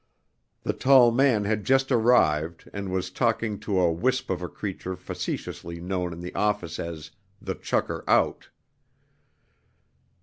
The tall man had just arrived and was talking to a wisp of a creature facetiously known in the office as "the chucker out."